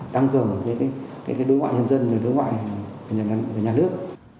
đăng cường với đối ngoại nhân dân đối ngoại nhà nước